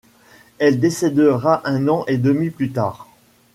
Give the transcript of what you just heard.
Elle décèdera un an et demi plus tard.